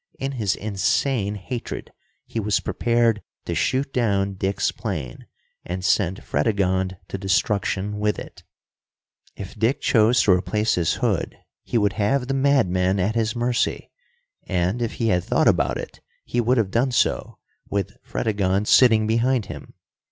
In his insane hatred he was prepared to shoot down Dick's plane and send Fredegonde to destruction with it. If Dick chose to replace his hood he would have the madman at his mercy. And, if he had thought about it, he would have done so, with Fredegonde sitting behind him.